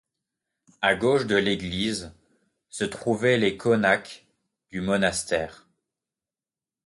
À gauche de l'église se trouvaient les konaks du monastère.